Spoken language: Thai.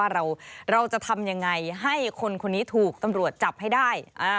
เราจะทำยังไงให้คนคนนี้ถูกตำรวจจับให้ได้